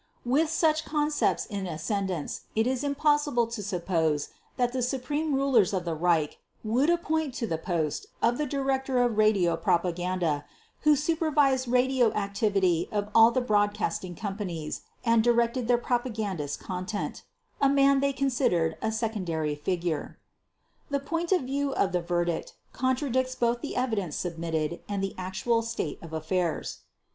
With such concepts in ascendance it is impossible to suppose that the supreme rulers of the Reich would appoint to the post of the Director of Radio Propaganda who supervised radio activity of all the broadcasting companies and directed their propagandistic content—a man they considered a secondary figure. The point of view of the verdict contradicts both the evidence submitted and the actual state of affairs.